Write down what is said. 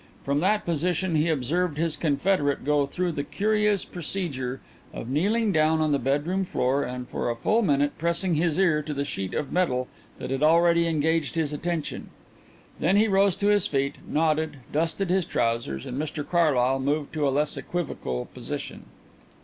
From that position he observed his confederate go through the curious procedure of kneeling down on the bedroom floor and for a full minute pressing his ear to the sheet of metal that had already engaged his attention. Then he rose to his feet, nodded, dusted his trousers, and Mr Carlyle moved to a less equivocal position.